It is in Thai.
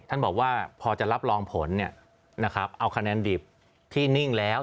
ท่านบอกว่าพอจะรับรองผลเอาคะแนนดิบที่นิ่งแล้ว